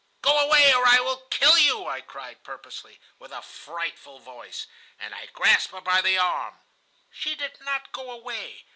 "'Go away, or I will kill you!' I cried, purposely, with a frightful voice, and I grasped her by the arm. She did not go away.